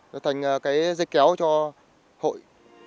được thành cái dây kéo cho hội